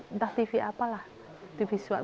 entah tv apalah tv swab